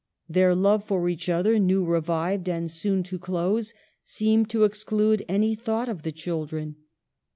Their love for each other, new revived and soon to close, seemed to exclude any thought of the children.